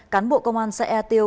cán bộ công an xã e tiêu